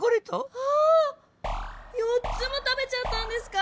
ああっ⁉４つも食べちゃったんですか？